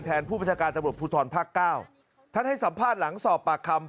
ผู้ประชาการตำรวจภูทรภาคเก้าท่านให้สัมภาษณ์หลังสอบปากคำ